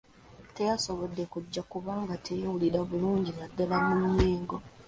Teyasobodde kujja kubanga teyeewuira bulungi naddala mu nnyingo.